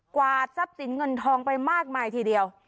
วาดทรัพย์สินเงินทองไปมากมายทีเดียว